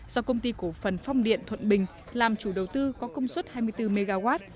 do công ty cổ phần phong điện thuận bình làm chủ đầu tư có công suất hai mươi bốn mw